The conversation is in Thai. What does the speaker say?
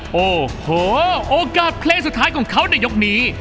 โอ้โหโอกาสเพลงสุดท้ายของเขาในยกนี้